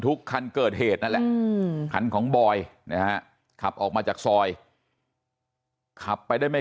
ทุกคันเกิดเหตุขันของบอยขับออกมาจากซอยขับไปได้ไม่